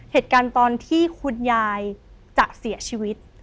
เหตุการณ์ตอนที่คุณยายจะเสียชีวิต